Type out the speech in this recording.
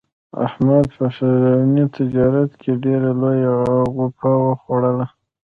احمد په سږني تجارت کې ډېره لویه غوپه و خوړله.